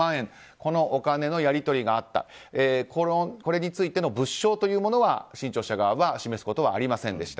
このお金のやり取りがあったこれについての物証というものは新潮社側は示すことはありませんでした。